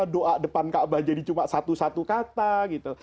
doa depan ka'bah jadi cuma satu satu kata gitu